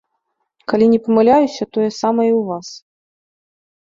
Калі не памыляюся, тое самае і ў вас.